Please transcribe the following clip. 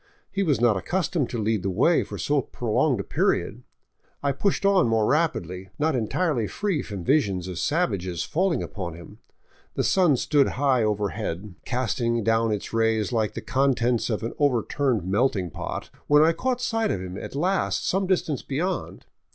He was not accustomed to lead the way for so prolonged a period. I pushed on more rapidly, not entirely free from visions of savages falling upon him. The sun stood high over head, casting down its rays like the contents of an overturned melting pot, when I caught sight of him at last some distance beyond.